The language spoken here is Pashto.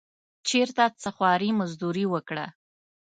چېرته څه خواري مزدوري وکړه.